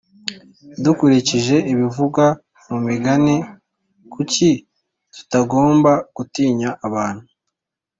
Dukurikije ibivugwa mu Migani kuki tutagomba gutinya abantu